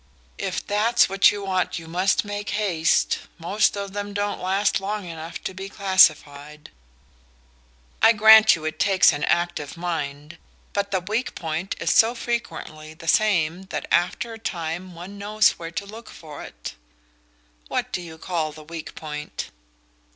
"If that's what you want you must make haste! Most of them don't last long enough to be classified." "I grant you it takes an active mind. But the weak point is so frequently the same that after a time one knows where to look for it." "What do you call the weak point?"